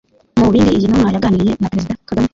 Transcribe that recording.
Mu bindi iyi ntumwa yaganiriye na Perezida Kagame